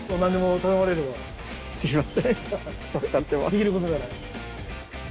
できることなら。